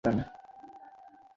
তুমি এইখানে কি করো?